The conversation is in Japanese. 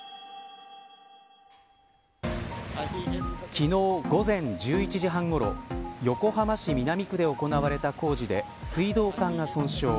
昨日午前１１時半ごろ横浜市南区で行われた工事で水道管が損傷。